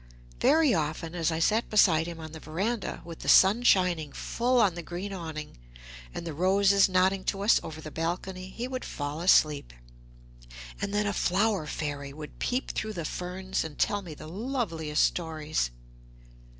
Very often, as I sat beside him on the verandah, with the sun shining full on the green awning, and the roses nodding to us over the balcony, he would fall asleep; and then a Flower Fairy would peep through the ferns, and tell me the loveliest stories.